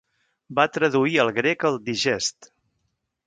Va traduir al grec el Digest.